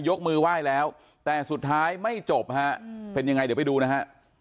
ยกมือไหว้แล้วแต่สุดท้ายไม่จบฮะเป็นยังไงเดี๋ยวไปดูนะฮะ